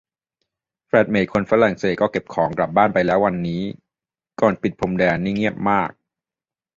แฟลตเมตคนฝรั่งเศสก็เก็บของกลับบ้านไปแล้ววันนี้ ก่อนปิดพรมแดน นี่เงียบมาก